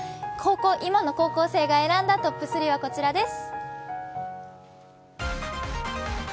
今の高校生が選んだトップ３はこちらです。